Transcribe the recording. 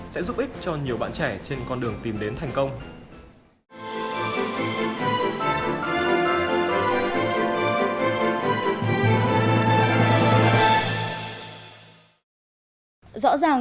sẽ giúp ích cho nhiều bạn trẻ trên con đường tìm đến thành công